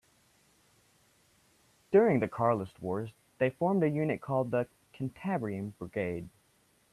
During the Carlist wars they formed a unit called the "Cantabrian Brigade".